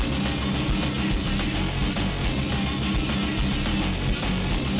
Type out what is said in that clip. lo balik aja antre angel